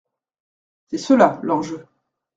C’est cela, l’enjeu.